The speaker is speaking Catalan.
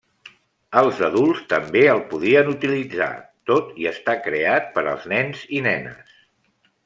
Els adults també el podien utilitzar, tot i estar creat per als nens i nenes.